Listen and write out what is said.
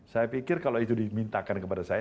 saya pikir kalau itu dimintakan kepada saya